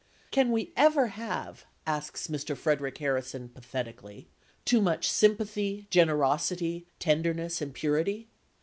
"Can we ever have," asks Mr. Frederic Harrison pathetically, "too much sympathy, generosity, tenderness and purity?